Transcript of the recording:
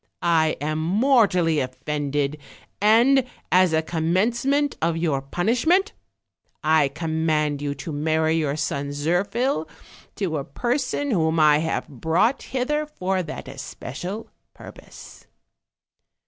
I am mortally offended, and, as a commencement of your punishment, I command you to marry youl son Zir phil to a person whom I have brought hither for that especial purpose."